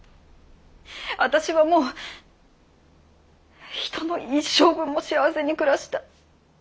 私はもう人の一生分も幸せに暮らした。